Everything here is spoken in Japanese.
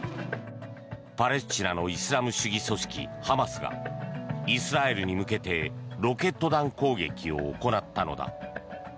パレスチナのイスラム主義組織ハマスがイスラエルに向けてロケット弾攻撃を行ったのだ。